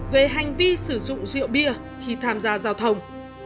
về hành vi sử dụng rượu bia khi tham gia giao thông